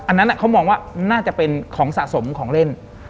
อันนั้นเขามองว่าน่าจะเป็นของสะสมของเล่น